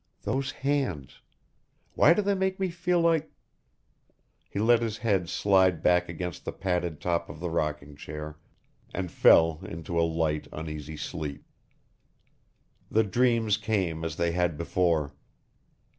Those hands. Why do they make me feel like ... He let his head slide back against the padded top of the rocking chair and fell into a light, uneasy sleep. The dreams came as they had before.